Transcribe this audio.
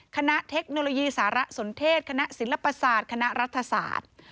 เทคโนโลยีสารสนเทศคณะศิลปศาสตร์คณะรัฐศาสตร์